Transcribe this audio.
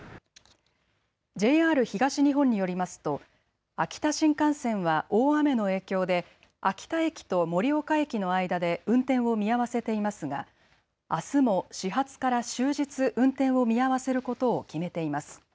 ＪＲ東日本によりますと秋田新幹線は大雨の影響で秋田駅と盛岡駅の間で運転を見合わせていますがあすも始発から終日運転を見合わせることを決めています。